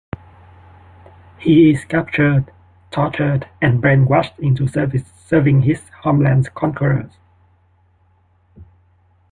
He is captured, tortured, and brainwashed into serving his homeland's conquerors.